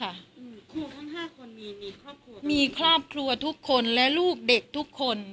ครูทั้งห้าคนมีมีครอบครัวมีครอบครัวทุกคนและลูกเด็กทุกคน